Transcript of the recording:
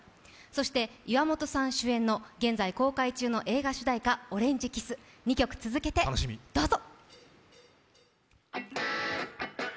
そして岩本さん主演の現在公開中の映画主題歌「オレンジｋｉｓｓ」、２曲続けて、どうぞ。